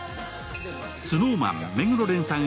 ＳｎｏｗＭａｎ・目黒蓮さん